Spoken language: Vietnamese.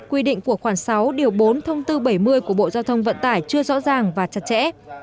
quy định của khoảng sáu bốn bốn trăm bảy mươi của bộ giao thông vận tải chưa rõ ràng và chặt chẽ